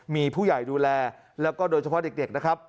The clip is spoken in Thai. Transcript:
มีผู้ใหญ่ดูแลแล้วก็โดยเฉพาะเด็กนะครับ